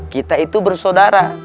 kita itu bersaudara